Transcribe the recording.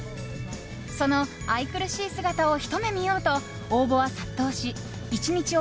その愛くるしい姿をひと目見ようと応募は殺到し１日